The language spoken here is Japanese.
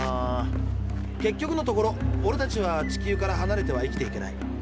結局のところオレたちは地球からはなれては生きていけない。